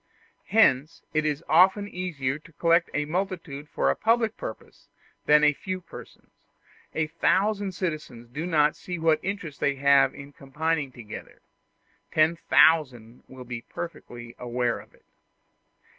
Hence it is often easier to collect a multitude for a public purpose than a few persons; a thousand citizens do not see what interest they have in combining together ten thousand will be perfectly aware of it.